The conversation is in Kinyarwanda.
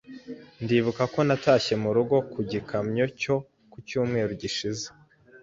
Ndibuka ko natashye murugo ku gikamyo cyo ku cyumweru gishize.